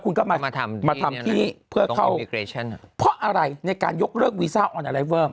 คุณก็มาทำมาทำที่เพื่อเข้าเพราะอะไรในการยกเลิกวีซ่าออนอะไรเวอร์